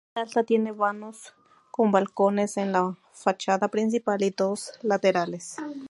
La planta alta tiene vanos con balcones en la fachada principal y dos laterales.